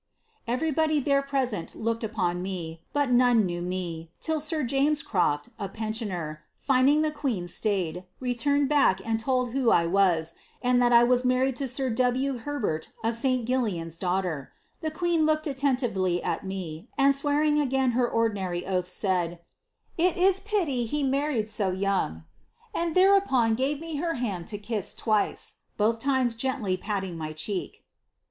Everybody then present looked upon me, but none knew me, til] sir James Croft, a pm eioner, linding the queen stayed, relumed back and told who I was, aK that I had married sir W. Herbert of St, Gdlian's daughter. The qaeM looked attentively at me, and swearing again her ordinary oath, said, 'I is pity he married so young,' and thereupon gave me her band lo kia twice, both limes gently patting my cheek."